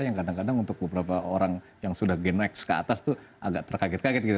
yang kadang kadang untuk beberapa orang yang sudah genex ke atas itu agak terkaget kaget gitu